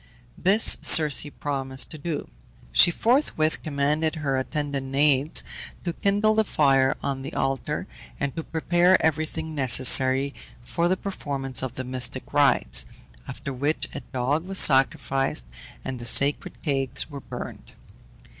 This Circe promised to do. She forthwith commanded her attendant Naiads to kindle the fire on the altar, and to prepare everything necessary for the performance of the mystic rites, after which a dog was sacrificed, and the sacred cakes were burned.